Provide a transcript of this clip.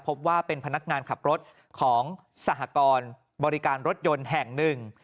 พบว่าเป็นพนักงานขับรถของสหกรณ์บริการรถยนต์แห่งหนึ่ง